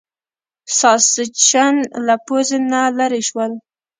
ساسچن له پوزې نه لرې شول.